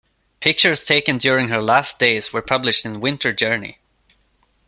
Pictures taken during her last days were published in Winter Journey.